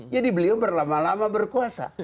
jadi beliau berlama lama berkuasa